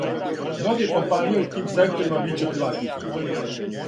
Многе компаније у тим секторима биће приватизоване.